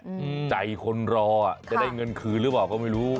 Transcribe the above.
ใจคนรออ่ะจะได้เงินคืนหรือเปล่าก็ไม่รู้